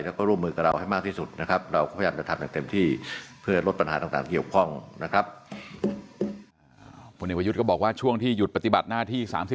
และก็ร่วมมือกับเราให้มากที่สุดนะครับเราพยายามจะทำอย่างเต็มที่